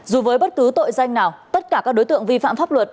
dù với bất cứ tội danh nào tất cả các đối tượng vi phạm pháp luật